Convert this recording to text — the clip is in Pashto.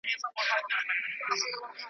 په یوه گوزار یې خوله کړله ورماته .